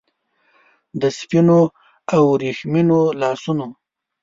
د سپینو او وریښمینو لاسونو